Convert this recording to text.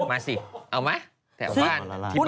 มาสิเอาไหมแถวบ้านที่บ้าน